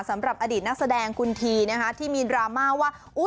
สำหรับอดีตนักแสดงคุณทีนะคะที่มีดราม่าว่า